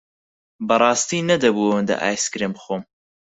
بەڕاستی نەدەبوو ئەوەندە ئایسکرێم بخۆم.